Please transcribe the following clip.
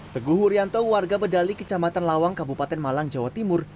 teguh wuryanto warga bedali kecamatan lawang kabupaten malang jawa timur